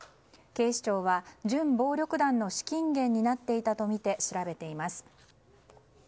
警視庁は準暴力団の資金源になっていたとみて調べています。